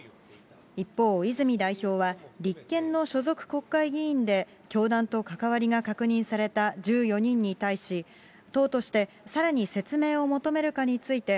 一方、泉代表は、立憲の所属国会議員で教団と関わりが確認された１４人に対し、党としてさらに説明を求めるかについて、